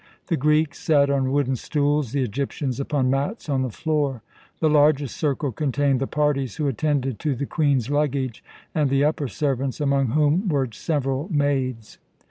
The Greeks sat on wooden stools, the Egyptians upon mats on the floor. The largest circle contained the parties who attended to the Queen's luggage and the upper servants, among whom were several maids.